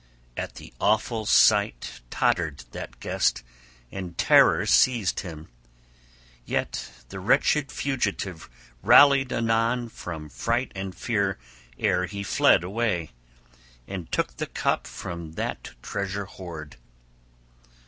At the awful sight tottered that guest, and terror seized him; yet the wretched fugitive rallied anon from fright and fear ere he fled away, and took the cup from that treasure hoard.